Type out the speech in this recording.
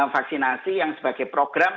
vaksinasi yang sebagai program